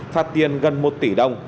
phạt tiền gần một tỷ đồng